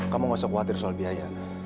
kamu gak usah khawatir soal biaya